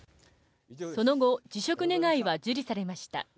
その後、辞職願は受理されました。